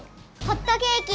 ホットケーキ！